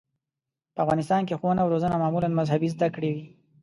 په افغانستان کې ښوونه او روزنه معمولاً مذهبي زده کړې وې.